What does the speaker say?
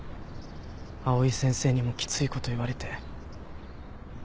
藍井先生にもきついこと言われて。